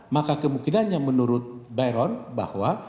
maka kemungkinan yang menurut byron bahwa